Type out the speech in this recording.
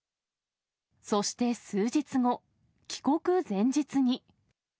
そして数日後、帰国前日に。